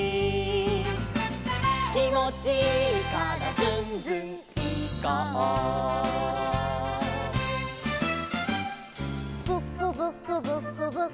「きもちいいからズンズンいこう」「ブクブクブクブク」